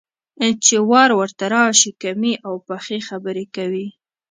چې وار ورته راشي، کمې او پخې خبرې کوي.